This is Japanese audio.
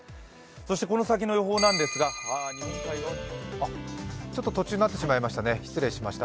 この先の予報なんですがちょっと途中になってしまいましたね、失礼しました。